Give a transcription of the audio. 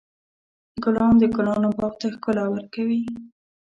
ګلان د ګلانو باغ ته ښکلا ورکوي.